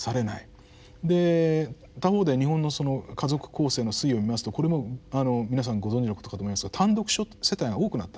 で他方で日本の家族構成の推移を見ますとこれも皆さんご存じのことかと思いますが単独世帯が多くなった。